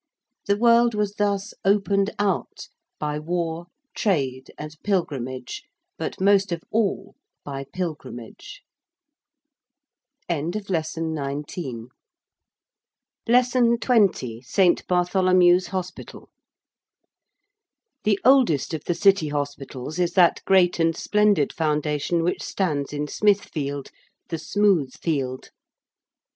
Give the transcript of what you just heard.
The world was thus opened out by War, Trade, and Pilgrimage, but most of all by Pilgrimage. 20. ST. BARTHOLOMEW'S HOSPITAL. The oldest of the City Hospitals is that great and splendid Foundation which stands in Smithfield the Smooth Field.